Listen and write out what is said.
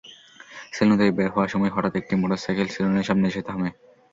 Salon থেকে বের হওয়ার সময় হঠাৎ একটি মোটরসাইকেল সেলুনের সামনে এসে থামে।